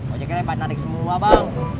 ojeknya baik narik semua bang